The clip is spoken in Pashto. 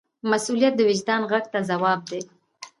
مسؤلیت د وجدان غږ ته ځواب دی.